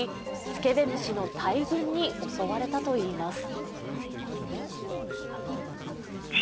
スケベ虫の大群に襲われたといいます。